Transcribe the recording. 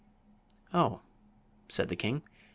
"Oh!" said the king.